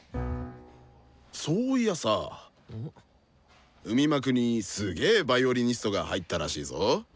そういやさ海幕にすげヴァイオリニストが入ったらしいぞ。